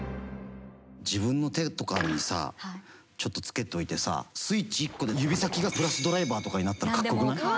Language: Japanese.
自分の手とかにさちょっとつけといてさスイッチ１個で指先がプラスドライバーとかになったらかっこよくない？